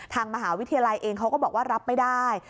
ทางมหาวิทยาลัยเองเขาก็บอกว่ารับไม่ได้